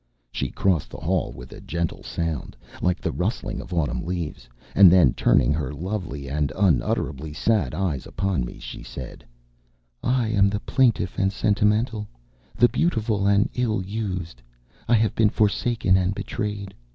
She crossed the hall with a gentle sound, like the rustling of autumn leaves, and then, turning her lovely and unutterably sad eyes upon me, she said, "I am the plaintive and sentimental, the beautiful and ill used. I have been forsaken and betrayed.